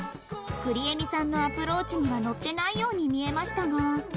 くりえみさんのアプローチにはのってないように見えましたが